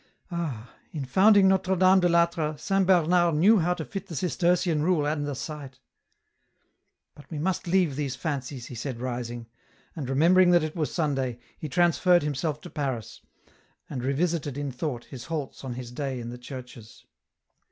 Ah ! in founding Notre Dame de I'Atre, Saint Bernard knew how to fit the Cistercian rule and the site. " But we must leave these fancies," he said, rising ; and, remembering that it was Sunday, he transferred himself to Paris, and revisited in thought his halts on this day in the churches.